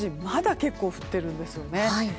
まだ結構、降っているんですね。